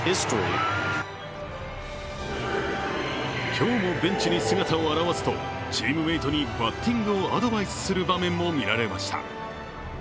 今日もベンチに姿を現すとチームメートにバッティングをアドバイスする場面も見られました。